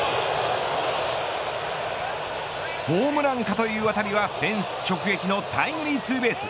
ホームランか、という当たりはフェンス直撃のタイムリーツーベース。